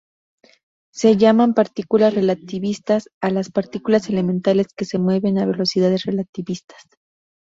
Se llaman partículas relativistas a las partículas elementales que se mueven a velocidades relativistas.